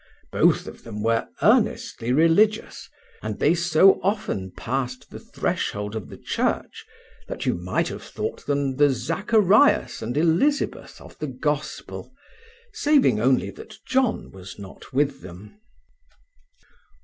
Both of them were earnestly religious, and they so often passed the threshold of the church that you might have thought them the Zacharias and Elisabeth of the Gospel, saving only that John was not with them."